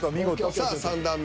さあ３段目。